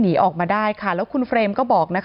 หนีออกมาได้ค่ะแล้วคุณเฟรมก็บอกนะคะ